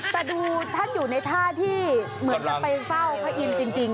แต่ดูท่านอยู่ในท่าที่เหมือนกับไปเฝ้าพระอินทร์จริง